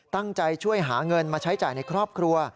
ตั้งใจช่วยหาเงินมาใช้จ่ายในครอบครัว